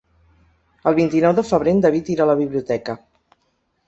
El vint-i-nou de febrer en David irà a la biblioteca.